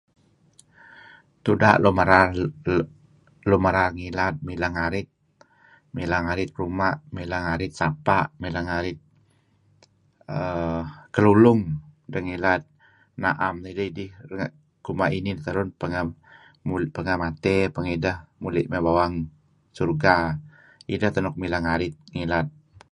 Tuda' lunmmerar ngilad mileh ngarit, mileh ngarit ruma', ngarit sapa', ngarit kelulung ideh ngilad naen neh ideh idih kuma' inih terun pangeh mat, pangeh peh ideh muli' may bawang Surga. Ideh teh mileh ngarit ngilad.